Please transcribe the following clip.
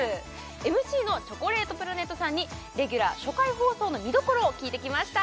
ＭＣのチョコレートプラネットさんにレギュラー初回放送の見どころを聞いてきました